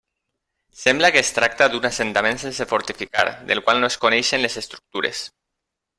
Sembla que es tracta d'un assentament sense fortificar, del qual no es coneixen les estructures.